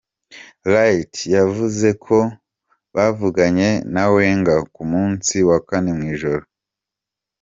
Wright yavuze ko bavuganye na Wenger ku munsi wa kane mw'ijoro.